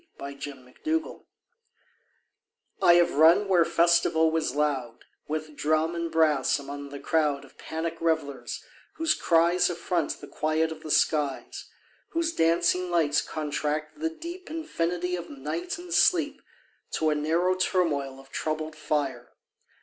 SCENES OF THE MIND I have run where festival was loud With drum and brass among the crowd Of panic revellers, whose cries Affront the quiet of the skies; Whose dancing lights contract the deep Infinity of night and sleep To a narrow turmoil of troubled fire.